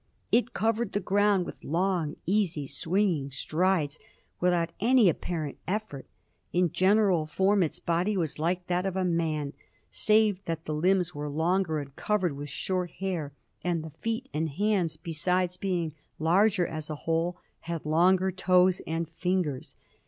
It covered the ground with long, easy, swinging strides, without any apparent effort. In general form its body was like that of a man, saving that the limbs were longer and covered with short hair, and the feet and hands, besides being larger as a whole, had longer toes and fingers.